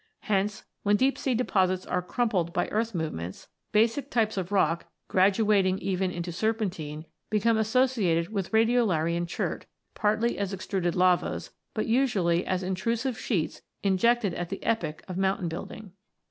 Hence, when deep sea deposits are crumpled by earth movements, basic types of rock, graduating even into serpentine, become associated with radio larian chert, partly as extruded lavas, but usually as intrusive sheets injected at the epoch of mountain building.